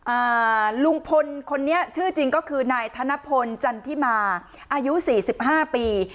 อ่าลุงพลคนนี้ชื่อจริงก็คือนายธนพลจันทิมาอายุสี่สิบห้าปี